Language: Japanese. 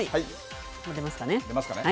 もう出ますかね。